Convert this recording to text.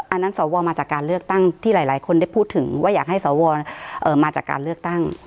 อันนั้นสวมาจากการเลือกตั้งที่หลายคนได้พูดถึงว่าอยากให้สวมาจากการเลือกตั้ง